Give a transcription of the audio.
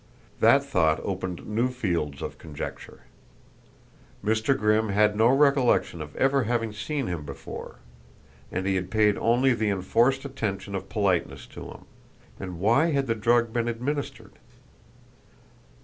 That thought opened new fields of conjecture. Mr. Grimm had no recollection of ever having seen him before; and he had paid only the enforced attention of politeness to him. And why had the drug been administered?